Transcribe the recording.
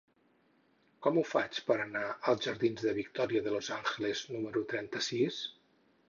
Com ho faig per anar als jardins de Victoria de los Ángeles número trenta-sis?